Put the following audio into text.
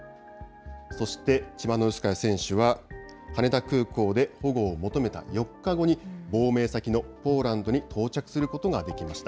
そしてチマノウスカヤ選手は、羽田空港で保護を求めた４日後に、亡命先のポーランドに到着することができました。